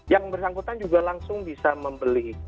yang bersangkutan juga langsung bisa membeli